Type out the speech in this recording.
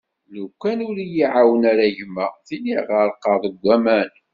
Lukan ur y-iεawen ara gma tili ɣerqeɣ deg aman.